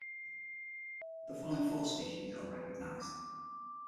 The following four species are recognized.